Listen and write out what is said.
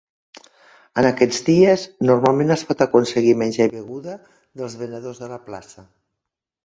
En aquests dies, normalment es pot aconseguir menjar i beguda dels venedors de la plaça.